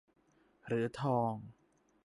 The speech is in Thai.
หรือทอง